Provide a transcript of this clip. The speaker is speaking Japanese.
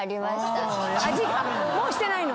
もうしてないの？